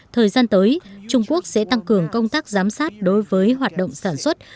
thời gian tới trung quốc sẽ tăng cường công tác giám sát đối với hoạt động sản xuất